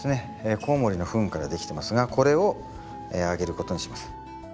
コウモリのフンからできてますがこれをあげることにします。